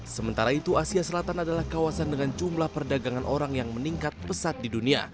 sementara itu asia selatan adalah kawasan dengan jumlah perdagangan orang yang meningkat pesat di dunia